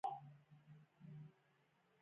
ایا زه باید سټنټ ولګوم؟